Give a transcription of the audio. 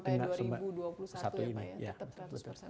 terlanjut sampai dua ribu dua puluh satu ya pak ya